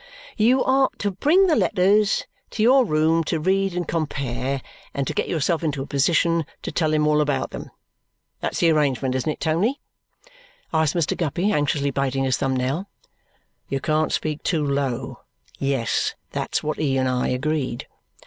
"You are to bring the letters to your room to read and compare, and to get yourself into a position to tell him all about them. That's the arrangement, isn't it, Tony?" asks Mr. Guppy, anxiously biting his thumb nail. "You can't speak too low. Yes. That's what he and I agreed."